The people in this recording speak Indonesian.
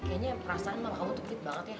kayaknya perasaan mama ewo tuh begitu banget ya